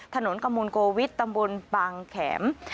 ถนนกมลโกวิทย์ตำบลบางแข็ม